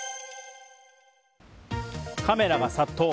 カメラが殺到。